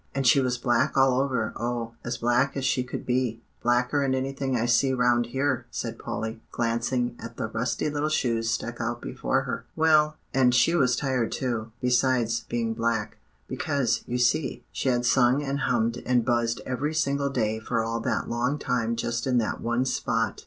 "And she was black all over, oh! as black as she could be blacker'n anything I see round here," said Polly, glancing at the rusty little shoes stuck out before her. "Well, and she was tired too, besides being black; because, you see, she had sung and hummed and buzzed every single day for all that long time just in that one spot.